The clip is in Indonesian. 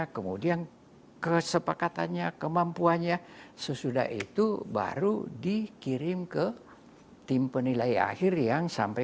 kemudian kesepakatannya kemampuannya sesudah itu baru dikirim ke tim penilai akhir yang sampai